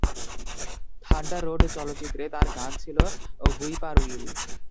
"Thunder road" চলচ্চিত্রে তার গান ছিল "হুইপারউইল"।